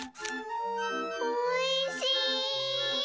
おいしい！